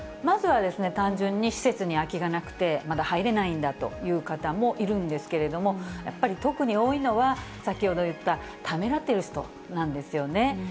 まずは、単純に施設に空きがなくて、まだ入れないんだという方もいるんですけれども、やっぱり特に多いのは、先ほど言った、ためらっている人なんですよね。